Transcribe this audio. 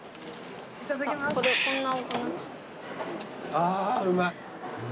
あぁうまい。